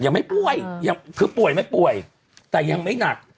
ยังไม่ป่วยคือป่วยไม่ป่วยแต่ยังไม่หนัก